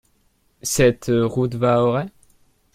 Cette route va à Auray ?